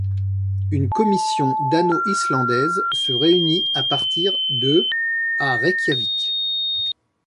Une commission dano-islandaise se réunit à partir de à Reykjavik.